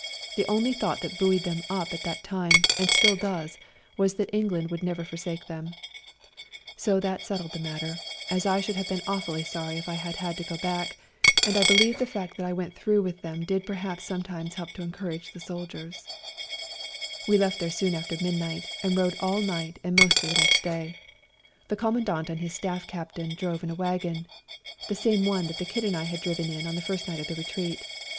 The only thought that buoyed them up at that time, and still does, was that England would never forsake them. So that settled the matter. 92 A COLD NIGHT RIDE as I should have been awfully sorry if I had had to go back, and I believe the fact that I went through with them did perhaps sometimes help to encourage the soldiers, t We left there soon after midnight, and rode all night and most of the next day* The Commandant and his Staff Captain drove in a wagon, the same one that the Kid and I had driven in on the first night of the retreat.